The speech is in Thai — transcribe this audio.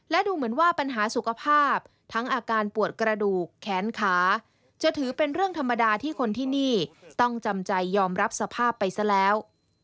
และดูเหมือนว่าปัญหาสุขภาพทั้งอาการปวดกระดูกแขนขาจะถือเป็นเรื่องธรรมดาที่คนที่นี่ต้องจำใจยอมรับสภาพไปซะแล้ว